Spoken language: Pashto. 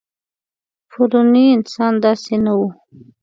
پروني انسان داسې نه و.